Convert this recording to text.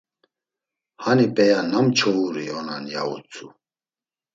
Hani p̌eya nam çoğuri onan? ya utzu.